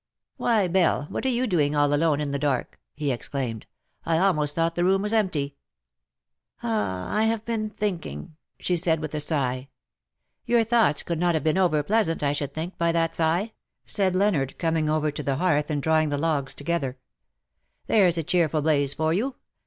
'^ Why, Belle, what are you doing all alone in the dark ?'^ he exclaimed. '' I almost thought the room was empty/^ '^ I have been thinking,^ ' she said, with a sigh. " Your thoughts could not have been over pleasant, I should think, by that sigh,^"* said Leonard, coming over to the hearth, and drawing the logs together. " There's a cheerful blaze for you.